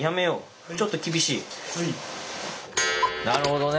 なるほどね。